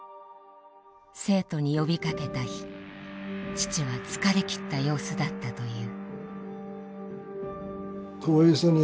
生徒に呼びかけた日父は疲れ切った様子だったという。